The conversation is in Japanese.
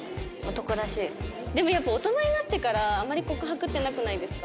でもやっぱ大人になってからあんまり告白ってなくないですか？